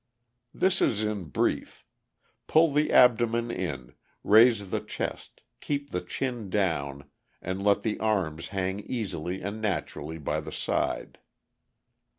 This is in brief: pull the abdomen in, raise the chest, keep the chin down, and let the arms hang easily and naturally by the side.